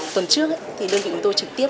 tuần trước đơn vị chúng tôi trực tiếp